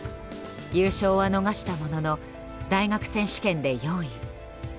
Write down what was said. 優勝は逃したものの大学選手権で４位。